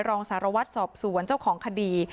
รองสารวัตรสอบสวนเจ้าของคดี